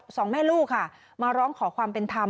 สองแม่ลูกค่ะมาร้องขอความเป็นธรรม